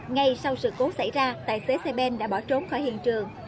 ngay sau sự cố xảy ra tài xế xe ben đã bỏ trốn khỏi hiện trường